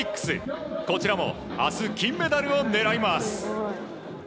こちらも明日、金メダルを狙います。